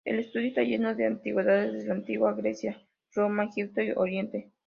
El estudio está lleno de antigüedades de la antigua Grecia, Roma, Egipto y Oriente.